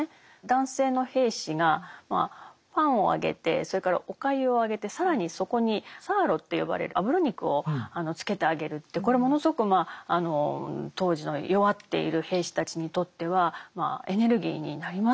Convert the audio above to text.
男性の兵士がパンをあげてそれからお粥をあげて更にそこにサーロって呼ばれる脂肉をつけてあげるってこれものすごく当時の弱っている兵士たちにとってはエネルギーになりますよね。